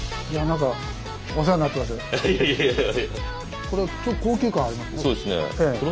いやいやいや。